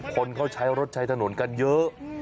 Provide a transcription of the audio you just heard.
คนเขาใช้รถใช้ถนนกันเยอะ